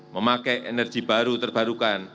memakai energi baru terbarukan